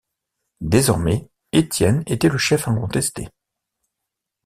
Désormais, Étienne était le chef incontesté.